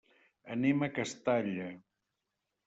Anem a Castalla.